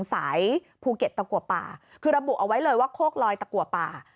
สายภูเก็ตตะกัวป่าคือระบุเอาไว้เลยว่าโคกลอยตะกัวป่า